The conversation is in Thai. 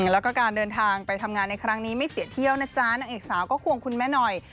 แล้วก็การเดินทางไปทำงานในครั้งนี้ไม่เสียเที่ยวนะจ๊ะนางเอกสาวก็ควงคุณแม่หน่อย